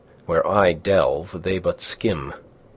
Where I delve they but skim.